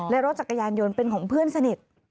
และรถจักรยานยนต์เป็นของเพื่อนสนิท